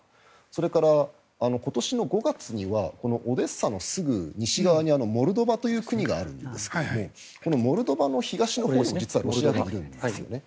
それから、今年の５月にはオデーサのすぐ西側にモルドバという国があるんですがこのモルドバの東のほうにロシア軍が出ていくんですよね。